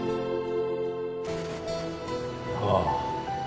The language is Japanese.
ああ。